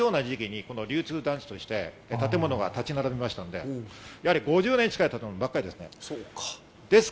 同じような時期に流通団地として建物が建ち並びましたので、５０年近い建物ばっかりです。